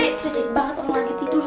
resip banget aku lagi tidur